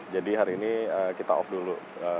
jadi hari ini kita off dulu